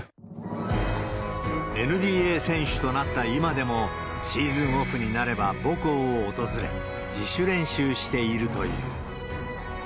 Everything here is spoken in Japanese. ＮＢＡ選手となった今でも、シーズンオフになれば母校の訪れ、自主練習しているという。